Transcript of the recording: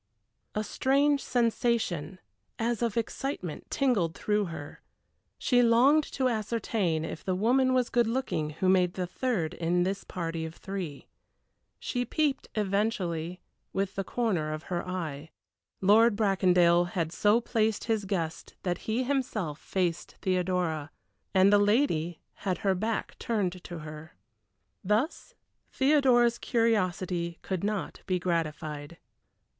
A strange sensation, as of excitement, tingled through her. She longed to ascertain if the woman was good looking who made the third in this party of three. She peeped eventually with the corner of her eye. Lord Bracondale had so placed his guests that he himself faced Theodora, and the lady had her back turned to her. Thus Theodora's curiosity could not be gratified.